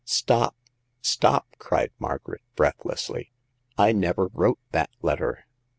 " Stop ! Stop !" cried Margaret, breathlessly. I never wrote that letter